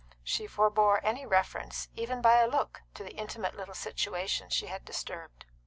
She forbore any reference, even by a look, to the intimate little situation she had disturbed.